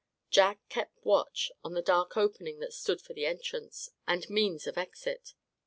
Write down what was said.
Jack kept watch on the dark opening that stood for the entrance, and means of exit.